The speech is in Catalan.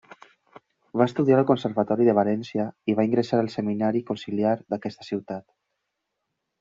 Va estudiar al Conservatori de València i va ingressar al Seminari Conciliar d'aquesta ciutat.